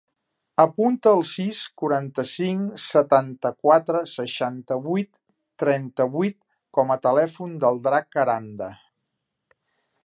Apunta el sis, quaranta-cinc, setanta-quatre, seixanta-vuit, trenta-vuit com a telèfon del Drac Aranda.